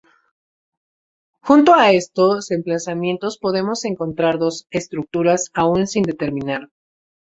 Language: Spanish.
Junto a estos emplazamientos podemos encontrar dos estructuras aún sin determinar.